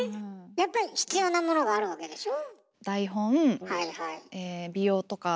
やっぱり必要なものがあるわけでしょ？